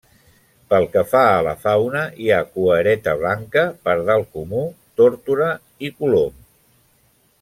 Pel que fa a la fauna, hi ha cuereta blanca, pardal comú, tórtora i colom.